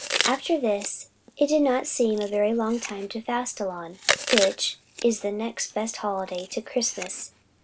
After this, it did not seem a very long time to Fastilevn, which is the next best holiday to Christmas.